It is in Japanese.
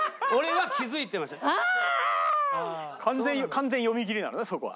完全読みきりなのねそこは。